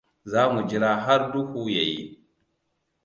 Za mu jira har duhu ya yi.